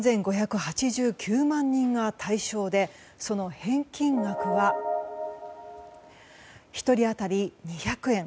３５８９万人が対象でその返金額は１人当たり２００円。